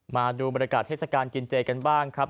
มาดูบรรยากาศเทศกาลกินเจกันบ้างครับ